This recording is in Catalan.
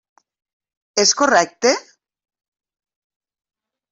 És correcte?